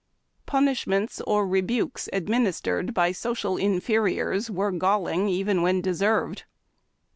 Punish ments or rebukes administered by social inferiors were galling: even when deserved.